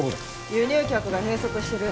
輸入脚が閉塞してる。